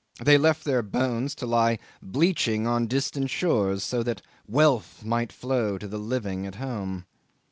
They left their bones to lie bleaching on distant shores, so that wealth might flow to the living at home.